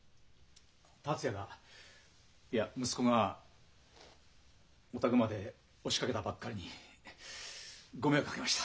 達也がいや息子がお宅まで押しかけたばっかりにご迷惑かけました。